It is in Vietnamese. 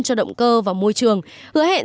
cho động cơ và môi trường hứa hẹn